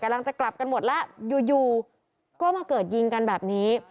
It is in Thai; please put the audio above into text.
กำลังจะกลับกันหมดแล้วอยู่ก็มาเกิดยิงกันแบบนี้